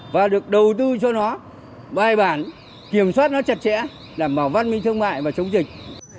và được đầu tư cho nó bài bản kiểm soát nó chặt chẽ đảm bảo văn minh thương mại và chống dịch